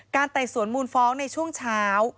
ไต่สวนมูลฟ้องในช่วงเช้า